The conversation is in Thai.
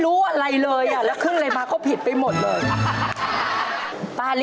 ข้อที่หนึ่งแมวข้อที่สองแรด